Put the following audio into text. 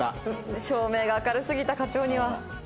照明が明るすぎた課長には。